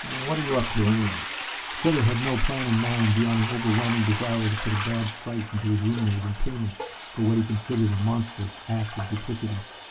"What are you up to anyway?" Sutter had no plan in mind beyond an overwhelming desire to put a bad fright into his roommate in payment for what he considered a monstrous act of duplicity.